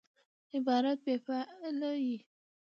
عبارت بې فعله يي.